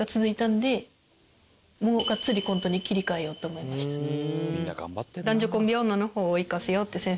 もうがっつりコントに切り替えようって思いましたね。